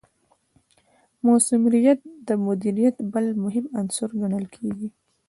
مثمریت د مدیریت بل مهم عنصر ګڼل کیږي.